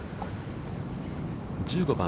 １５番。